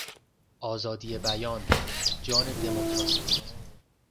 آزادی بیان، جان دمکراسی است.